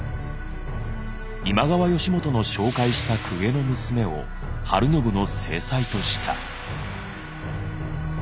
今川義元の紹介した公家の娘を晴信の正妻とした。